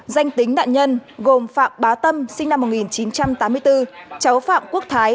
danh tính nạn nhân gồm phạm bá tâm sinh năm một nghìn chín trăm tám mươi bốn cháu phạm quốc thái